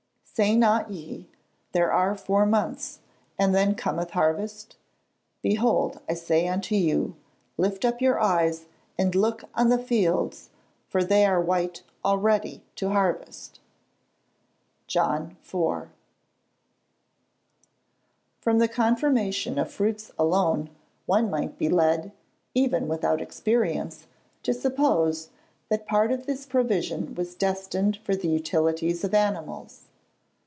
[Verse: "Say not ye, There are four months, and then cometh harvest? behold, I say unto you, Lift up your eyes, and look on the fields; for they are white already to harvest." JOHN IV.] From the conformation of fruits alone, one might be led, even without experience, to suppose, that part of this provision was destined for the utilities of animals.